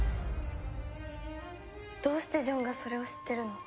どうしてジョンがそれを知ってるの？